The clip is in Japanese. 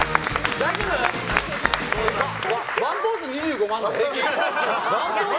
ワンポーズ２５万だけど平気？